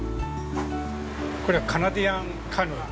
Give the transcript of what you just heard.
これはカナディアンカヌー。